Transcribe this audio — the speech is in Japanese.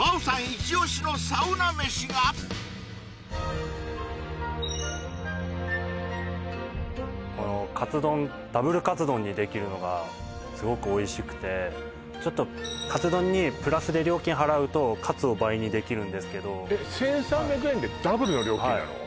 まるでこのカツ丼Ｗカツ丼にできるのがすごくおいしくてちょっとカツ丼にプラスで料金払うとカツを倍にできるんですけど１３００円でダブルの料金なの？